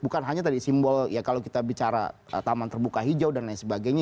bukan hanya tadi simbol ya kalau kita bicara taman terbuka hijau dan lain sebagainya